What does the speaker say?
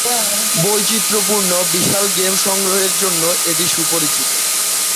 বৈচিত্রপূর্ণ বিশাল গেম সংগ্রহের জন্য এটি সুপরিচিত।